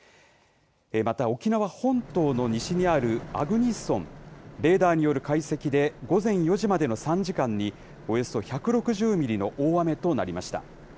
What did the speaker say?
また沖縄本島の西にある粟国村、レーダーによる解析で、午前４時までの３時間に、およそ１６０ミリの大雨となりました。